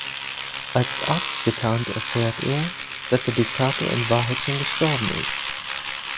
Als Arzt getarnt, erfährt er, dass der Diktator in Wahrheit schon gestorben ist.